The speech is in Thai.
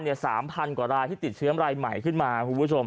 ๓๐๐๐กว่ารายที่ติดเชื้อรายใหม่ขึ้นมา